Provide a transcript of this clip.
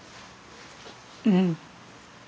うん。